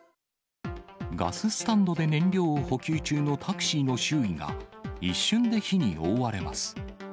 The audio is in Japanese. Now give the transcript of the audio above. ガススタンドで燃料を補給中のタクシーの周囲が一瞬で火に覆われます。